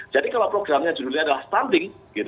jadi kalau programnya judulnya adalah stunting